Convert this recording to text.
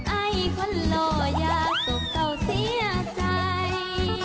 ไอ้คนโลยากศุกร์เก่าเสียใจ